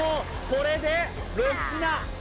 これで６品